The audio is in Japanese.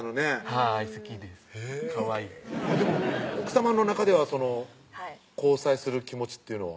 はい好きですかわいいでも奥さまの中では交際する気持ちっていうのは？